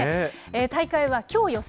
大会はきょう予選。